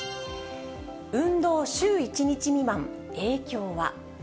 運動、週１日未満、影響は？